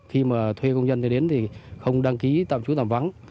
khi mà thuê công dân tới đến thì không đăng ký tạm chú tạm vắng